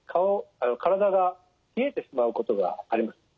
体が冷えてしまうことがあります。